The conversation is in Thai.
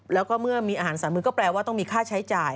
แล้วก็เมื่อมีอาหารสามมือก็แปลว่าต้องมีค่าใช้จ่าย